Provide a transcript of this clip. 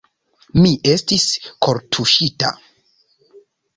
Mi estis kortuŝita.